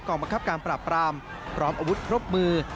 กล่องประคับการปราบปรามพร้อมอาวุธพรบมือ